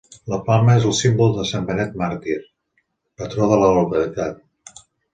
La palma és el símbol de Sant Benet Màrtir, patró de la localitat.